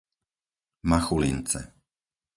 Machulince